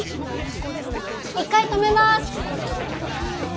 一回止めます。